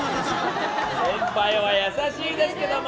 先輩は優しいですけれども。